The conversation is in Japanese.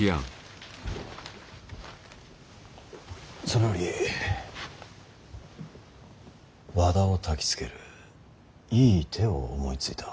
それより和田をたきつけるいい手を思いついた。